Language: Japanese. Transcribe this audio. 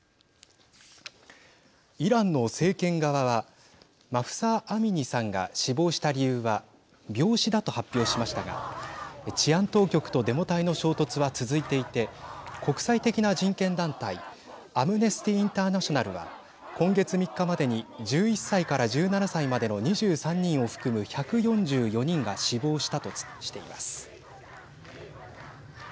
イランの政権側はマフサ・アミニさんが死亡した理由は病死だと発表しましたが治安当局とデモ隊の衝突は続いていて国際的な人権団体アムネスティ・インターナショナルは今月３日までに１１歳から１７歳までの２３人を含む１４４人が死亡したとしています。